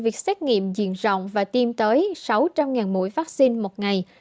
việc xét nghiệm diện rộng và tiêm tới sáu trăm linh mũi vaccine một ngày